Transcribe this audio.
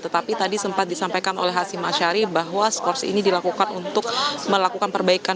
tetapi tadi sempat disampaikan oleh hasim ashari bahwa skors ini dilakukan untuk melakukan perbaikan